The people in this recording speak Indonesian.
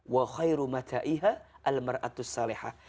wa khairu mataiha al mar'atus salihah